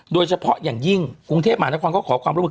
โดยเฉพาะอย่างยิ่งกรุงเทพมหานครก็ขอความร่วมมือ